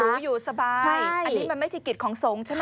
อยู่สบายอันนี้มันไม่ใช่กิจของสงฆ์ใช่ไหม